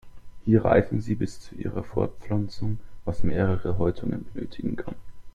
Hier reifen sie bis zu ihrer Fortpflanzung, was mehrere Häutungen benötigen kann.